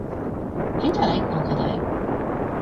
変じゃない？この課題。